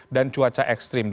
dan cuaca ekstrim